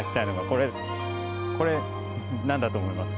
これ何だと思いますか？